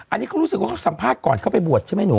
อันนี้เขารู้สึกว่าเขาสัมภาษณ์ก่อนเข้าไปบวชใช่ไหมหนู